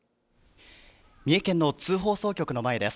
三重県の津放送局の前です。